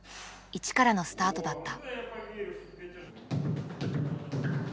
一からのスタートだった。